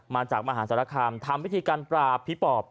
มาจากมหาศาลคามทำพิธีการปราบผีปอบ